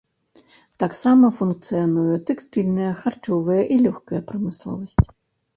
Таксама функцыянуе тэкстыльная, харчовая і лёгкая прамысловасць.